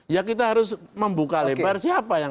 ya kita harus membuka lebar siapa yang